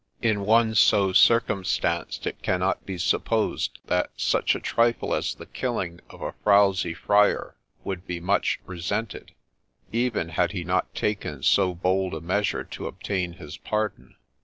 In one so circumstanced it cannot be supposed that such a trifle as the killing of a frowzy friar would be much resented, even had he not taken so bold a measure to obtain his pardon.